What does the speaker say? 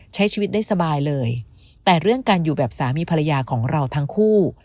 ใช้ชีวิตได้สบายเลยแต่เรื่องการอยู่แบบสามีภรรยาของเราทั้งคู่